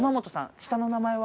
下の名前は？